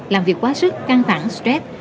làm việc quá sức căng thẳng stress